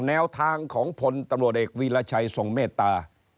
แนวทางของพลตำรวจเอกวีรชัยทรงเมตตา